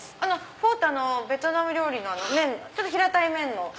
フォーってベトナム料理のちょっと平たい麺の。